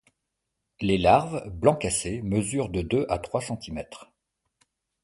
Les larves, blanc cassé, mesurent de deux à trois centimètres.